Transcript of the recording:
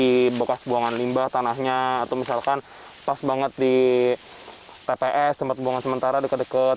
di bekas buangan limbah tanahnya atau misalkan pas banget di tps tempat buangan sementara dekat dekat